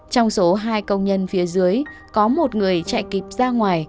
trong số hai công nhân phía dưới có một người chạy kịp ra ngoài